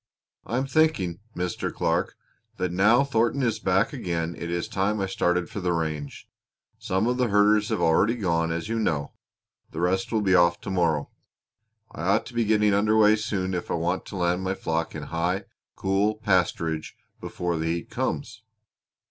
I'm thinking, Mr. Clark, that now Thornton is back again it is time I started for the range. Some of the herders have gone already, as you know; the rest will be off to morrow. I ought to be getting under way soon if I want to land my flock in high, cool pasturage before the heat comes."